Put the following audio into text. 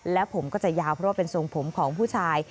และผมก็จะยาวเพราะว่าเป็นทรงผมของผู้ชาย